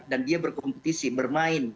dan dia berkompetisi bermain